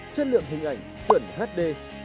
chất lượng hình ảnh chuẩn hd